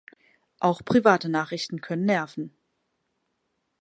Auch private Nachrichten können nerven.